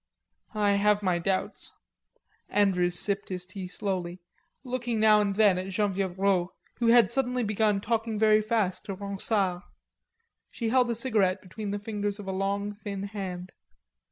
"I have my doubts." Andrews sipped his tea slowly, looking now and then at Genevieve Rod who had suddenly begun talking very fast to Ronsard. She held a cigarette between the fingers of a long thin hand.